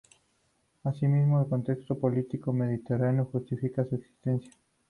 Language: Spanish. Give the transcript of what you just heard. Asimismo, el contexto político mediterráneo justificaría su existencia.